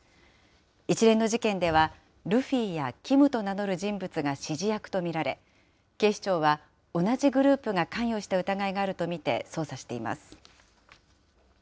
一連の事件ではルフィやキムと名乗る人物が指示役と見られ、警視庁は同じグループが関与した疑いがあると見て捜査しています。